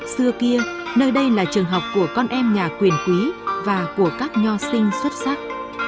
xưa kia nơi đây là trường học của con em nhà quyền quý và của các nho sinh xuất sắc